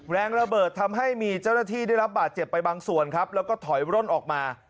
แรงระเบิดทำให้มีเจ้าหน้าที่ได้รับบาดเจ็บไปบางส่วนครับแล้วก็ถอยร่นออกมา